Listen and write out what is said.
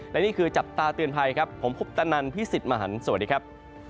และนี่คือจับตาเตือนภัยครับผมคุปตนันพี่สิทธิ์มหันฯสวัสดีครับ